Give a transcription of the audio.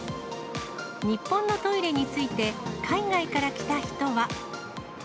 日本のトイレについて、海外から来た人は。